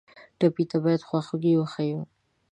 ټپي ته باید خواخوږي وښیو.